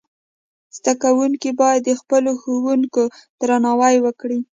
زدهکوونکي باید د خپلو ښوونکو درناوی وکړي.